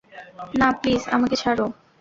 না প্লিজ, আমাকে ছাড়ো!